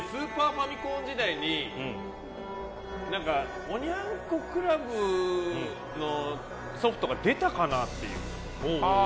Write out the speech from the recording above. ファミコン時代におニャン子クラブのソフトが出たかな？という。